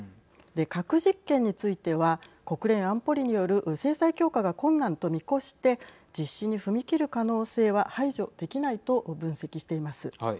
核実験については国連安保理による制裁強化が困難と見越して実施に踏み切る可能性は排除できないと分析しています。